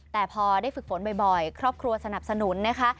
แต่พอได้ฝึกฝนบ่อยครอบครัวสนับสนุนนะคะ